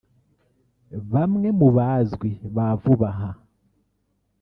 Bamwe mu bazwi ba vuba aha